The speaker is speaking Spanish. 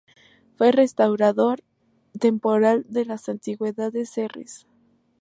Fue restaurador temporal de las antigüedades Serres.